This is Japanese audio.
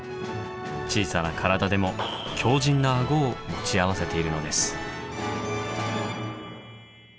小さな体でも強じんなアゴを持ち合わせているのです。